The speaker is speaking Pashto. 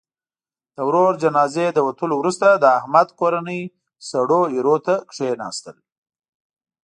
د ورور جنازې له وتلو وروسته، د احمد کورنۍ سړو ایرو ته کېناستل.